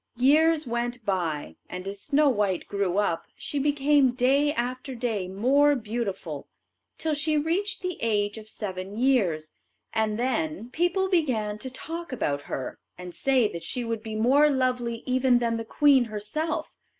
Years went by, and as Snow white grew up, she became day after day more beautiful, till she reached the age of seven years, and then people began to talk about her, and say that she would be more lovely even than the queen herself.